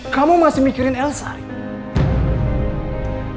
kamu masih mikirin elsa